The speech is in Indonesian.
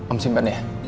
om simpen ya